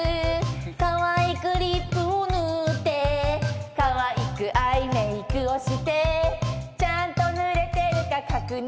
「かわいくリップを塗ってかわいくアイメイクをして」「ちゃんと塗れてるか確認」